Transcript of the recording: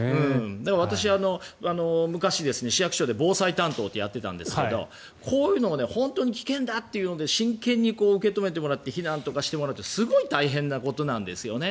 私は昔、市役所で防災担当ってやっていたんですがこういうのが本当に危険だというので真剣に受け止めてもらって避難とかしてもらうってすごい大変なことなんですよね。